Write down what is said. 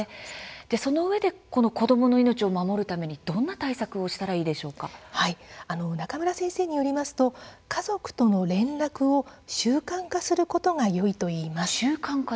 そのうえで子どもの命を守るためにどんな対策をしたら中村先生によりますと家族との連絡を習慣化することがよいといいます。